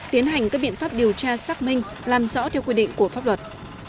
tiến hành các biện pháp điều tra xác minh làm rõ theo quy định của pháp luật